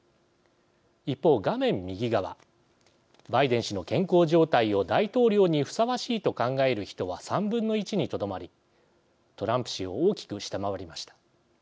一方、画面右側バイデン氏の健康状態を大統領にふさわしいと考える人は３分の１にとどまりトランプ氏を大きく下回りました。